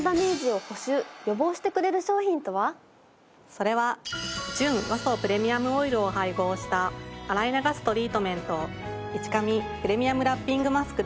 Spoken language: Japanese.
それは純・和草プレミアムオイルを配合した洗い流すトリートメントいち髪プレミアムラッピングマスクです。